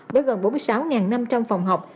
với gần bốn mươi sáu năm trăm linh phòng học